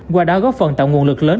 qua đó góp phần tạo nguồn lực lớn